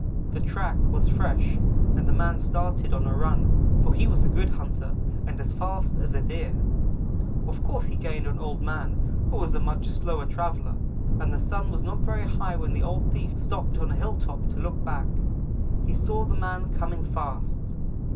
"The track was fresh and the man started on a run, for he was a good hunter and as fast as a Deer. Of course he gained on Old man, who was a much slower traveller; and the Sun was not very high when the old thief stopped on a hilltop to look back. He saw the man coming fast.